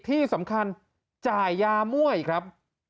ที่สำคัญจ่ายยามั่วอีกครับ